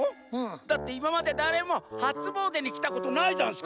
だっていままでだれもはつもうでにきたことないざんすから。